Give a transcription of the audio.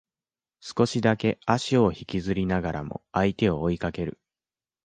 少しだけ足を引きずりながらも相手を追いかける